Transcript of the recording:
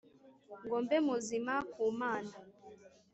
ngo mbe muzima ku Mana